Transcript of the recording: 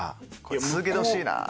続けてほしいなぁ。